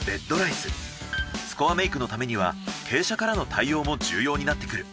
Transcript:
スコアメイクのためには傾斜からの対応も重要になってくる。